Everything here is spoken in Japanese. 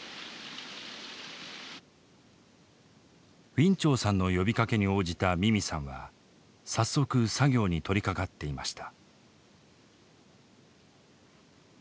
ウィン・チョウさんの呼びかけに応じたミミさんは早速作業に取りかかっていました。